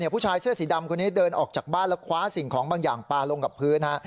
ผู้ชายเสื้อสีดำคนนี้เดินออกจากบ้านแล้วคว้าสิ่งของบางอย่างปลาลงกับพื้น